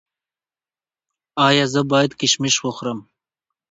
ایا زه باید کشمش وخورم؟